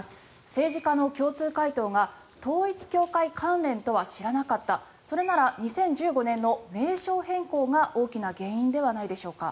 政治家の共通回答が統一教会関連とは知らなかったそれなら２０１５年の名称変更が大きな原因ではないでしょうか。